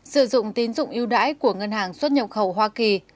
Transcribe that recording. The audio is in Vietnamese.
sử dụng tín dụng yêu đãi của ngân hàng xuất nhập khẩu hoa kỳ